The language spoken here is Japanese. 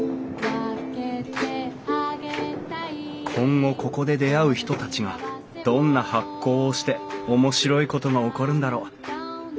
今後ここで出会う人たちがどんな発酵をして面白いことが起こるんだろう？